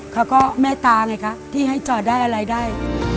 เขาก็แม่ตาไงคะที่ให้จอดได้อะไรได้